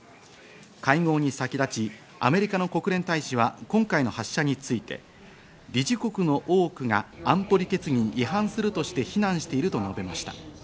会合に先立ち、アメリカの国連大使は今回の発射について理事国の多くが安保理決議に違反するとして非難していると述べました。